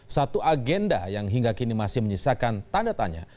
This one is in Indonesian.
satu agenda yang hingga kini masih menyisakan tanda tanya